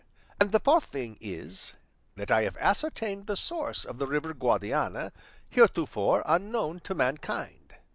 And the fourth thing is, that I have ascertained the source of the river Guadiana, heretofore unknown to mankind."